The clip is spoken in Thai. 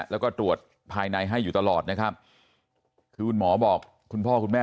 แล้วก็ตรวจภายในให้อยู่ตลอดนะครับคือคุณหมอบอกคุณพ่อคุณแม่